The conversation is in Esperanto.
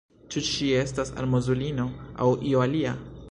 Ĉu ŝi estas almozulino, aŭ io alia?